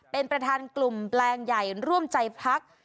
เป็นประธานกลุ่มแปลงใหญ่ร่วมใจพัก